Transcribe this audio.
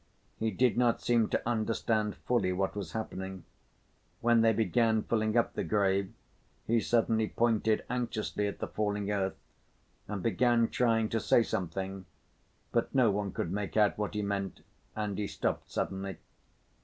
He did not seem to understand fully what was happening. When they began filling up the grave, he suddenly pointed anxiously at the falling earth and began trying to say something, but no one could make out what he meant, and he stopped suddenly.